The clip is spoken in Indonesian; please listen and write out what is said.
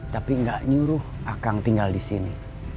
tapi gak nyuruh akang tinggal di sini